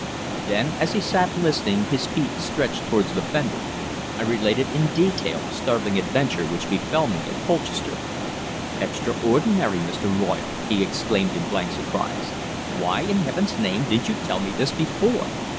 Then, as he sat listening, his feet stretched towards the fender, I related in detail the startling adventure which befel me at Colchester. "Extraordinary, Mr. Royle!" he exclaimed, in blank surprise. "Why, in heaven's name, didn't you tell me this before!